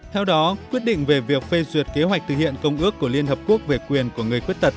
theo đó quyết định về việc phê duyệt kế hoạch thực hiện công ước của liên hợp quốc về quyền của người khuyết tật